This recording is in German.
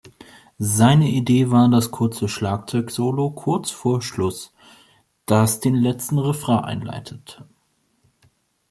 Seine Idee war das kurze Schlagzeugsolo kurz vor Schluss, das den letzten Refrain einleitet.